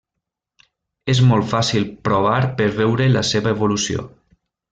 És molt fàcil provar per veure la seva evolució.